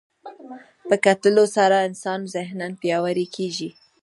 په کتلو سره انسان ذهناً پیاوړی کېږي